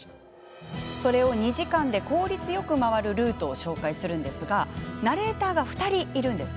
それを２時間で効率よく回るルートを紹介するんですがナレーターが２人いるんです。